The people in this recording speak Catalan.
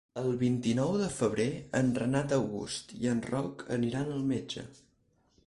El vint-i-nou de febrer en Renat August i en Roc aniran al metge.